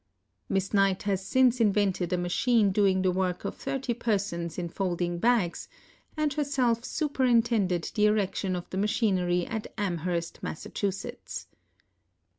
Miss Knight has since invented a machine doing the work of thirty persons in folding bags, and herself superintended the erection of the machinery at Amherst, Mass.